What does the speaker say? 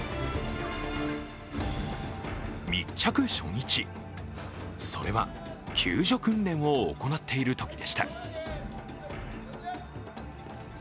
密着初日、それは救助訓練を行っているときでした。